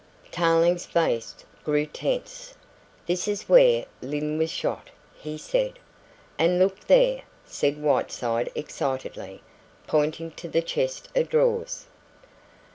Tarling's face grew tense. "This is where Lyne was shot," he said. "And look there!" said Whiteside excitedly, pointing to the chest of drawers.